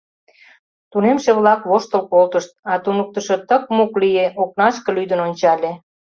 Тунемше-влак воштыл колтышт, а туныктышо тык-мук лие, окнашке лӱдын ончале.